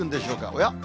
おや？